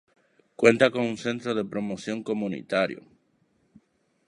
Cuenta con un Centro de Promoción Comunitario.